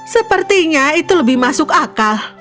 sepertinya itu lebih masuk akal